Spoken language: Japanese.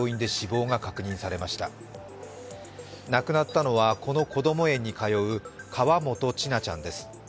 亡くなったのは、このこども園に通う河本千奈ちゃんです。